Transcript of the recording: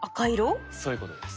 そういうことです。